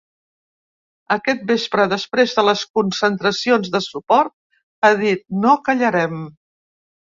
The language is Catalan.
Aquest vespre, després de les concentracions de suport, ha dit: No callarem.